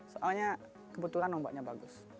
soalnya kebetulan nombaknya bagus